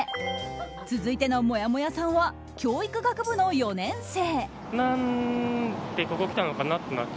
続いてのもやもやさんは教育学部の４年生。